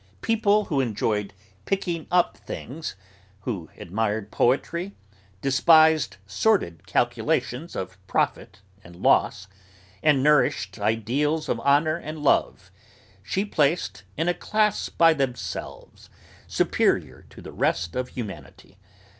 People who enjoyed 'picking up' things, who admired poetry, despised sordid calculations of profit and loss, and nourished ideals of honour and love, she placed in a class by themselves, superior to the rest of humanity.